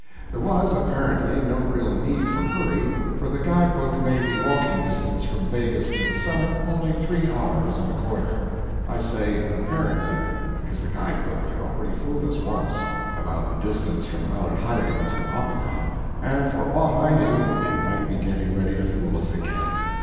There was (apparently) no real need for hurry, for the guide book made the walking distance from Waeggis to the summit only three hours and a quarter. I say "apparently," because the guide book had already fooled us once about the distance from Allerheiligen to Oppenau and for aught I knew it might be getting ready to fool us again.